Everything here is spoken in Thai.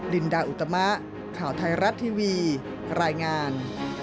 ลินดาอุตมะข่าวไทยรัฐทีวีรายงาน